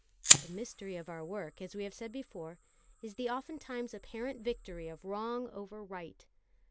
The mystery of our work, as we have said before, is the oftentimes apparent victory of wrong over right.